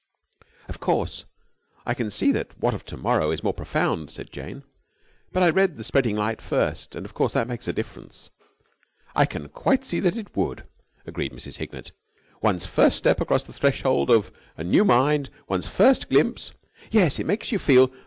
"Of course, I can see that 'What of the Morrow?' is more profound," said Jane. "But I read 'The Spreading Light' first, and of course that makes a difference." "I can quite see that it would," agreed Mrs. Hignett. "One's first step across the threshold of a new mind, one's first glimpse...." "Yes, it makes you feel...."